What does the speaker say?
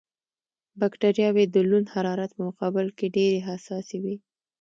بکټریاوې د لوند حرارت په مقابل کې ډېرې حساسې وي.